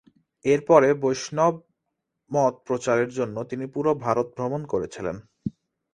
এর পরে বৈষ্ণব মত প্রচারের জন্য তিনি পুরো ভারত ভ্রমণ করেছিলেন।